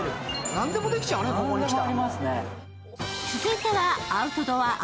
なんでもできちゃうね、ここに来たら。